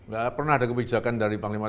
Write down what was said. gak pernah ada kebijakan dari panglima